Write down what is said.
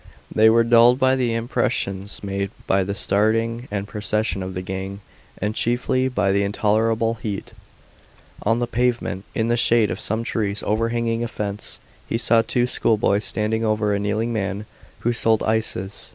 They were dulled by the impressions made by the starting and procession of the gang, and chiefly by the intolerable heat. On the pavement, in the shade of some trees overhanging a fence, he saw two schoolboys standing over a kneeling man who sold ices.